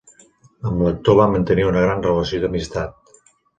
Amb l'actor va mantenir una gran relació d'amistat.